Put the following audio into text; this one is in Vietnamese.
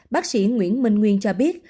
bác sĩ nguyễn minh nguyên cho biết